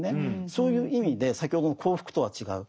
そういう意味で先ほどの幸福とは違う。